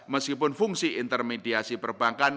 meskipun fungsi intermediasi perbankan